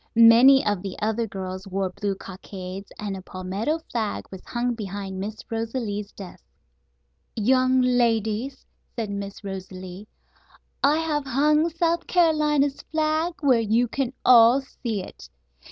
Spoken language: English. Many of the other girls wore blue cockades, and a palmetto flag was hung behind Miss Rosalie's desk. "Young ladies," said Miss Rosalie, "I have hung South Carolina's flag where you can all see it.